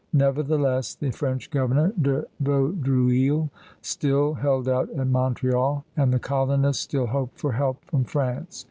Nevertheless, the French governor, De Vaudreuil, still held out at Montreal, and the colonists still hoped for help from France.